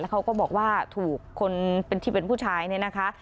เขาก็บอกว่าถูกคนที่เป็นผู้ชายเนี่ยนะคะ